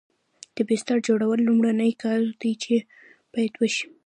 د بستر جوړول لومړنی کار دی چې باید وشي